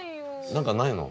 何かないの？